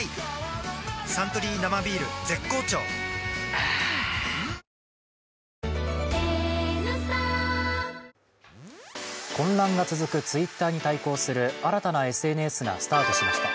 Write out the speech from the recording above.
あぁ混乱が続くＴｗｉｔｔｅｒに対抗する新たなＳＮＳがスタートしました。